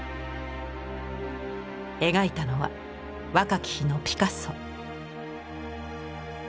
描いたのは若き日のピカソ。